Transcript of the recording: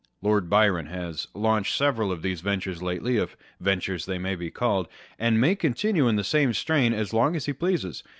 Lord Byron has launched several of these ventures lately (if ventures they may be called) and may continue in the same strain as long as he pleases.